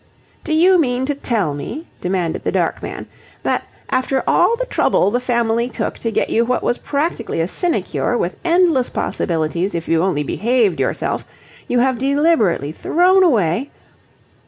"Do you mean to tell me," demanded the dark man, "that, after all the trouble the family took to get you what was practically a sinecure with endless possibilities if you only behaved yourself, you have deliberately thrown away..."